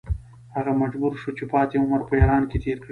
هغه مجبور شو چې پاتې عمر په ایران کې تېر کړي.